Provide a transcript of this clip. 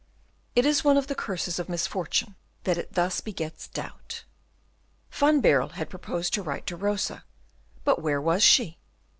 It is one of the curses of misfortune that it thus begets doubt. Van Baerle had proposed to write to Rosa, but where was she?